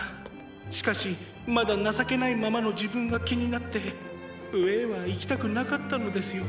しかしまだ情けないままの自分が気になって上へは行きたくなかったのですよ。